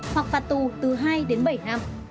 hoặc phạt tù từ hai đến bảy năm